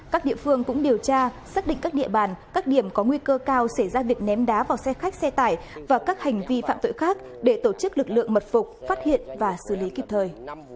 các địa phương cũng điều tra xác định các địa bàn các điểm có nguy cơ cao xảy ra việc ném đá vào xe khách xe tải và các hành vi phạm tội khác để tổ chức lực lượng mật phục phát hiện và xử lý kịp thời